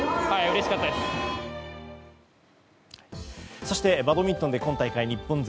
そしてバドミントンで今大会、日本勢